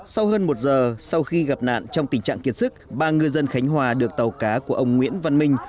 sau hơn một giờ sau khi gặp nạn trong tình trạng kiệt sức ba ngư dân khánh hòa được tàu cá của ông nguyễn văn minh